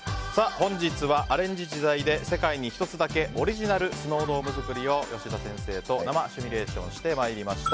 本日はアレンジ自在で世界に１つだけオリジナルスノードーム作りを吉田先生と生趣味レーションしてまいりました。